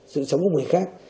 sự sống của người khác